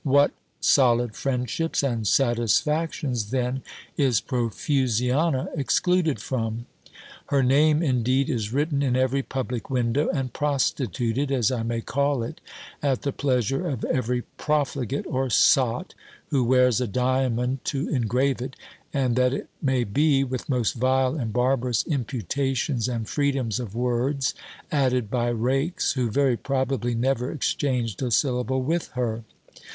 What solid friendships and satisfactions then is Profusiana excluded from! "Her name indeed is written in every public window, and prostituted, as I may call it, at the pleasure of every profligate or sot, who wears a diamond to engrave it: and that it may be, with most vile and barbarous imputations and freedoms of words, added by rakes, who very probably never exchanged a syllable with her.